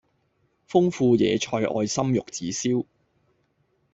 豐富野菜愛心玉子燒